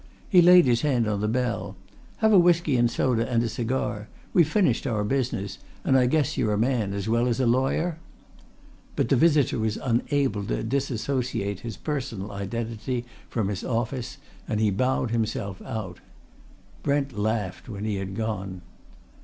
He laid his hand on the bell. "Have a whisky and soda and a cigar? We've finished our business, and I guess you're a man as well as a lawyer?" But the visitor was unable to disassociate his personal identity from his office, and he bowed himself out. Brent laughed when he had gone.